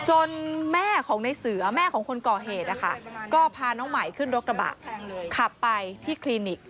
แม่ของในเสือแม่ของคนก่อเหตุนะคะก็พาน้องใหม่ขึ้นรถกระบะขับไปที่คลินิก